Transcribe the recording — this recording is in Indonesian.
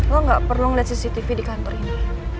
lo gak perlu liat cctv di kantor ini